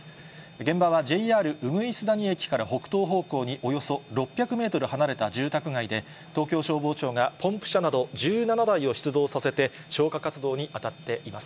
現場はＪＲ鶯谷駅から北東方向におよそ６００メートル離れた住宅街で、東京消防庁がポンプ車など１７台を出動させて消火活動に当たっています。